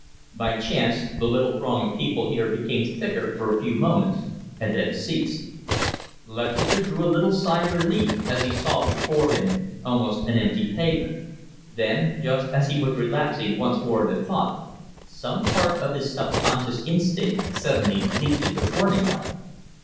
By chance the little throng of people here became thicker for a few moments and then ceased. Lutchester drew a little sigh of relief as he saw before him almost an empty pavement. Then, just as he was relapsing once more into thought, some part of his subconscious instinct suddenly leaped into warning life.